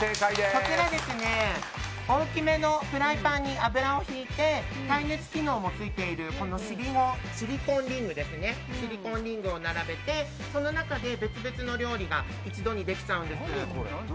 こちら、大きめのフライパンに油をひいて耐熱機能もついているこのシリコンリングを並べてその中で別々の料理が一度にできちゃうんです。